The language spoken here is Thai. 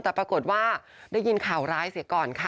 แต่ปรากฏว่าได้ยินข่าวร้ายเสียก่อนค่ะ